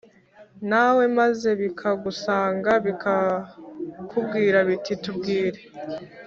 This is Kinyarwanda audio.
nawe maze bikagusanga bikakubwira biti Tubwire